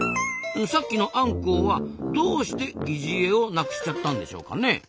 さっきのアンコウはどうして擬似餌をなくしちゃったんでしょうかね？